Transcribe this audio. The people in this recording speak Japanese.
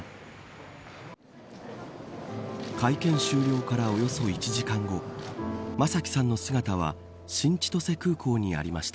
会見終了からおよそ１時間後正輝さんの姿は新千歳空港にありました。